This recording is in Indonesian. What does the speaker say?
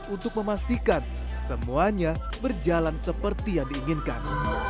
untuk memastikan semuanya berjalan seperti yang diinginkan